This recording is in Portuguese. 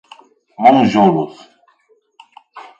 Monjolos